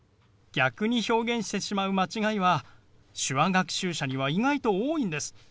逆に表現してしまう間違いは手話学習者には意外と多いんです。